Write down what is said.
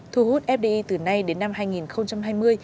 thu hút fdi từ nay đến năm hai nghìn hai mươi